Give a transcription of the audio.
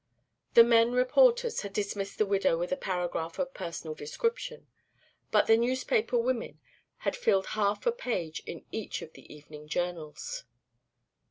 The men reporters had dismissed the widow with a paragraph of personal description, but the newspaper women had filled half a page in each of the evening journals.